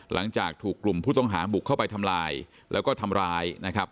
หลังจากถูกกลุ่มผู้ต้องหาบุกเข้าไปทำลายแล้วก็ทำร้ายนะครับ